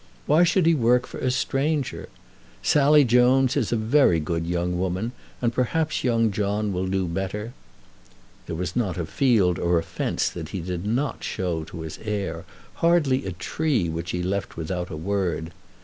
Why should he work for a stranger? Sally Jones is a very good young woman, and perhaps young John will do better." There was not a field or a fence that he did not show to his heir; hardly a tree which he left without a word.